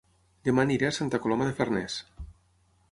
Dema aniré a Santa Coloma de Farners